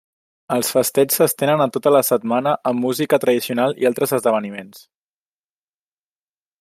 Els festeigs s'estenen a tota la setmana amb música tradicional i altres esdeveniments.